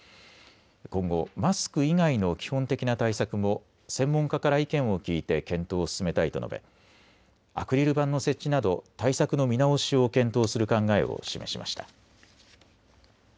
今後マスク以外の基本的な対策も専門家から意見を聞いて検討を進めたいと述べアクリル板の設置など対策の見直しを検討する考えを示しました。